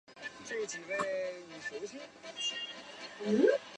长鳍壮灯鱼为辐鳍鱼纲灯笼鱼目灯笼鱼科壮灯鱼属的鱼类。